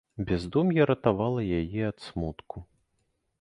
Бяздум'е ратавала яе ад смутку.